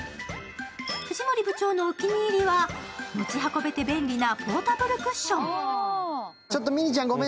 藤森部長のお気に入りは持ち運べて便利なポータブルクッション。